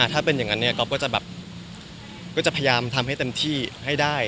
ถ้าเป็นอย่างนั้นก็จะพยายามทำให้เต็มที่ให้ได้